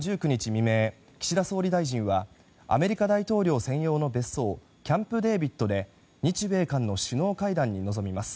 未明岸田総理大臣はアメリカ大統領専用の別荘キャンプデービッドで日米韓の首脳会談に臨みます。